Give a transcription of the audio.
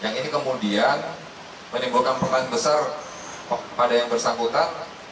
yang ini kemudian menimbulkan pertanyaan besar pada yang bersangkutan